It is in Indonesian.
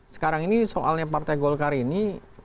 sekarang ini soalnya partai golkar ini